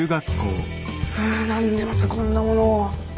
何でまたこんなものを。